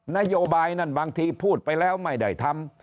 นโยบายนั่นบางทีพูดไปแล้วไม่ได้ทำ